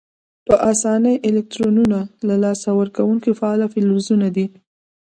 په آساني الکترونونه له لاسه ورکونکي فعال فلزونه دي.